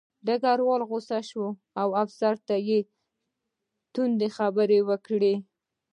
ډګروال غوسه شو او افسر ته یې تندې خبرې وکړې